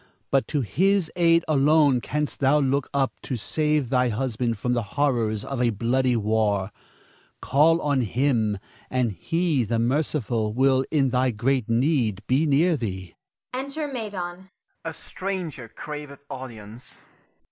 Adrastus. 'Tis hard, Iantha; but to His aid alone canst thou look up to save thy husband from the horrors of a bloody war. Call on Him, and He, the merciful, will in thy great need be near thee. [Enter Medon. Medon. A stranger craveth audience.